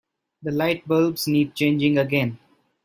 The lightbulbs need changing again.